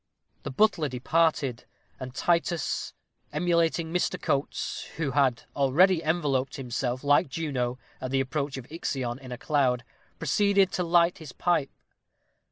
The butler departed, and Titus, emulating Mr. Coates, who had already enveloped himself, like Juno at the approach of Ixion, in a cloud, proceeded to light his pipe.